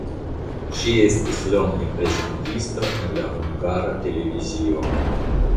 Ŝi estis longe prezentisto en la Hungara Televizio.